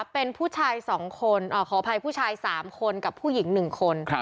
เป็นผู้ชายสองคนอ่อขออภัยผู้ชายสามคนกับผู้หญิงหนึ่งคน